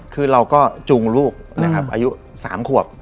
คือเราก็จูงลูกนะครับอายุ๓ขวบ